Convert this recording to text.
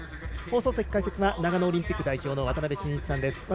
放送席解説は長野オリンピック代表の渡辺伸一さんです。